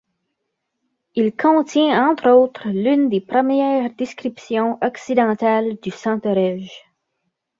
Il contient entre autres l'une des premières descriptions occidentales du senterej.